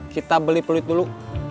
kita beli peluit dulu